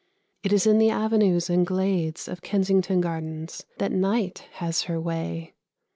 It is in the avenues and glades of Kensington Gardens that Night has her way.